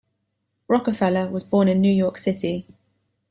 Rockefeller was born in New York City.